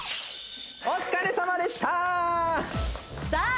お疲れさまでしたさあ